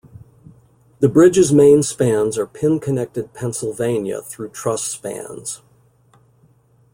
The bridge's main spans are pin-connected Pennsylvania through truss spans.